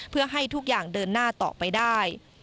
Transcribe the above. เพื่อให้ทุกอย่างเดินหน้าต่อไปได้